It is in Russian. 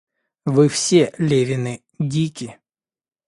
Вы все Левины дики.